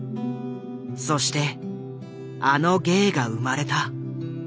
そしてあの芸が生まれた。